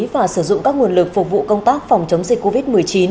và sử dụng các nguồn lực phục vụ công tác phòng chống dịch covid một mươi chín